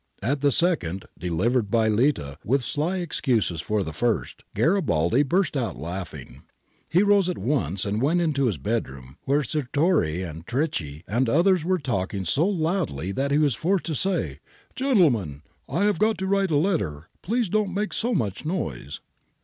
At the second, delivered by Litta with sly excuses for the fir^t, Garibaldi burst out laughing. He rose at once and went into his bedroom, where Sirtori, Trecchi, and others were talking so loudly that he was forced to say, ' Gentlemen, I have got to write a letter, please don't make so much noise.'